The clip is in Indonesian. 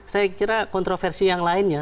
saya kira kontroversi yang lainnya